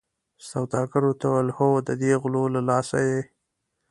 سوداګر ورته وویل هو ددې غلو له لاسه یې.